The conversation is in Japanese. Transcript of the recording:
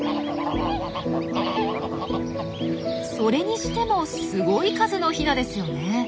それにしてもすごい数のヒナですよね。